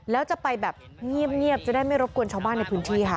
แล้วจะไปแบบเงียบจะได้ไม่รบกวนชาวบ้านในพื้นที่ค่ะ